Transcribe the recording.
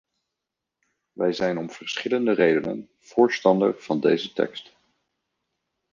Wij zijn om verschillende redenen voorstander van deze tekst.